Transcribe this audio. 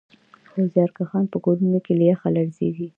خو زیارکښان په کورونو کې له یخه لړزېږي